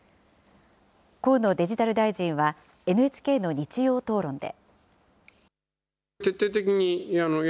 河野デジタル大臣は、ＮＨＫの日曜討論で。